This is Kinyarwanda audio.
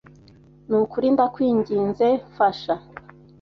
Ni ukuri ndakwinginze mfasha